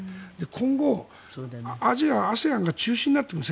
今後、アジア、ＡＳＥＡＮが世界の中心となっていく。